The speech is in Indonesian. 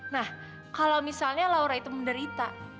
nah kalau misalnya laura itu menderita